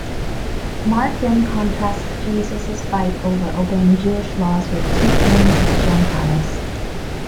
Mark then contrasts Jesus' fight over obeying Jewish law with two healings of Gentiles.